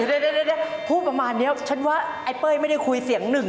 เดี๋ยวพูดประมาณนี้ฉันว่าไอ้เป้ยไม่ได้คุยเสียงหนึ่ง